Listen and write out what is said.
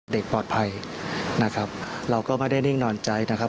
เด็กปลอดภัยนะครับเราก็ไม่ได้นิ่งนอนใจนะครับ